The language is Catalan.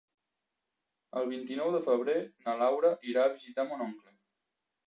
El vint-i-nou de febrer na Laura irà a visitar mon oncle.